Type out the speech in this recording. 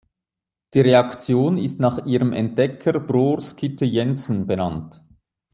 Die Reaktion ist nach ihrem Entdecker Bror Skytte Jensen benannt.